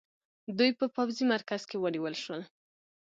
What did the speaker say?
دوی په پوځي مرکز کې ونیول شول.